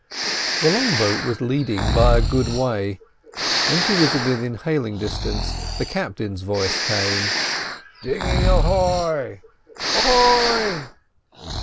The long boat was leading by a good way. When she was within hailing distance the captain's voice came. "Dinghy ahoy!" "Ahoy!"